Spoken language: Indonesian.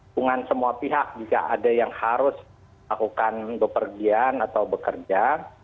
hubungan semua pihak jika ada yang harus lakukan bepergian atau bekerja